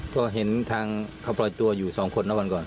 ก็เห็นทางเขาปล่อยตัวอยู่๒คนนะวันก่อน